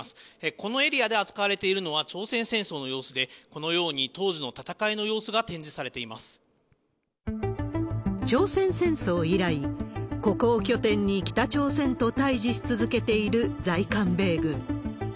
このエリアで扱われているのが朝鮮戦争の様子で、このように当時朝鮮戦争以来、ここを拠点に北朝鮮と対じし続けている在韓米軍。